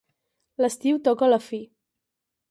L'estiu toca a la fi.